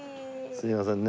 すいませんね。